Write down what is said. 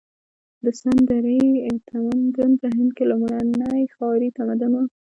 د سند درې تمدن په هند کې لومړنی ښاري تمدن و.